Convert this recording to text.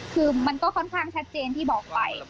คือมันก็ค่อนข้างชัดเจนที่บอกไป